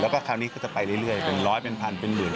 แล้วก็คราวนี้ก็จะไปเรื่อยเป็นร้อยเป็นพันเป็นหมื่น